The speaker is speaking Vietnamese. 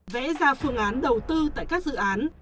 vẽ ra phương án đầu tư tại các dự án